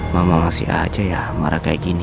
mama mau masih aja ya marah kayak gini